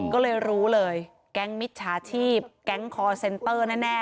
ก็เลยรู้เลยแก๊งมิจฉาชีพแก๊งคอร์เซ็นเตอร์แน่